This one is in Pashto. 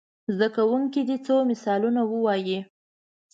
زده کوونکي دې څو مثالونه ووايي.